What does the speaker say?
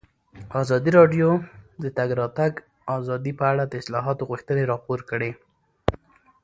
ازادي راډیو د د تګ راتګ ازادي په اړه د اصلاحاتو غوښتنې راپور کړې.